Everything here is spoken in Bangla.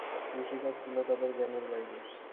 কৃষিকাজ ছিল তাদের জ্ঞানের বাইরে।